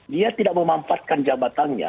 dia tidak memanfaatkan jabatannya